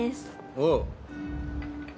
おう。